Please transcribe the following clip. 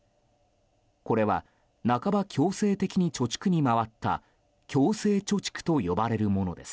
これは半ば強制的に貯蓄に回った強制貯蓄と呼ばれるものです。